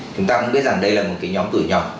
chúng ta cũng biết rằng đây là một cái nhóm cửa nhỏ